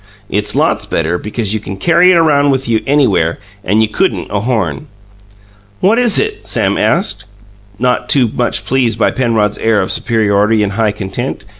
It's lots better, because you can carry it around with you anywhere, and you couldn't a horn." "What is it?" Sam asked, not too much pleased by Penrod's air of superiority and high content.